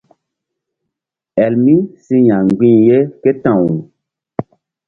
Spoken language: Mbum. Elmi si ya̧ mgbi̧h ye ké ta̧w.